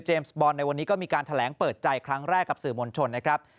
บอลในวันนี้ก็มีการแถลงเปิดใจครั้งแรกกับสื่อมวลชนนะครับ